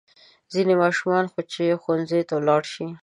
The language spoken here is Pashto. ځینې ماشومان خو چې ښوونځي ته لاړ شي.